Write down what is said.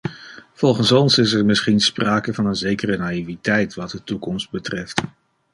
Volgens ons is er misschien sprake van een zekere naïviteit wat de toekomst betreft.